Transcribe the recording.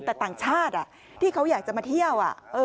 แต่ต่างชาติที่เขาอยากจะมาเที่ยว